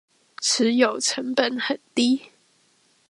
持有成本很低